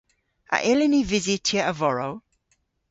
A yllyn ni vysytya a-vorow?